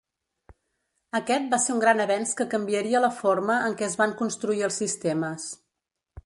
Aquest va ser un gran avenç que canviaria la forma en que es van construir els sistemes.